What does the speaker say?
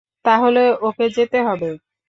তাহলে ওকে যেতে হবে।